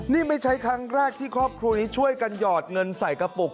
นี่ไม่ใช่ครั้งแรกที่ครอบครัวนี้ช่วยกันหยอดเงินใส่กระปุก